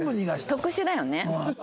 特殊だよね。